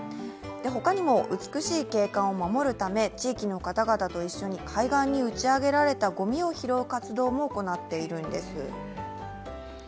他にも美しい景観を守るため、地域の方々と一緒に海岸に打ち上げられたごみを拾う活動も行っているんです。